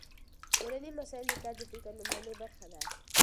کورني مسایل د پلار د فکر لومړنۍ برخه ده.